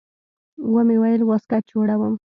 ومې ويل واسکټ جوړوم.